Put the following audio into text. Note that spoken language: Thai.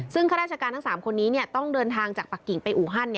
ซึ่งข้าราชการทั้ง๓คนนี้ต้องเดินทางจากปากกิ่งไปอูฮัน